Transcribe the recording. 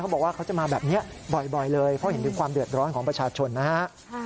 บอกว่าเขาจะมาแบบนี้บ่อยเลยเพราะเห็นถึงความเดือดร้อนของประชาชนนะฮะ